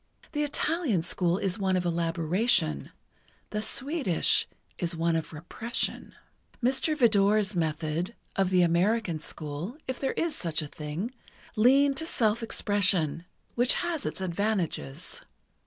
The Italian school is one of elaboration; the Swedish is one of repression. Mr. Vidor's method—of the American school, if there is such a thing—leaned to self expression, which has its advantages.